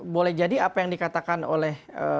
boleh jadi apa yang dikatakan oleh